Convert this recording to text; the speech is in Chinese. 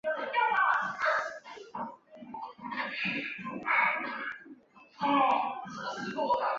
链肠锡叶吸虫为同盘科锡叶属的动物。